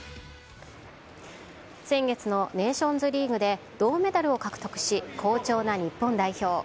先月のネーションズリーグで銅メダルを獲得し、好調な日本代表。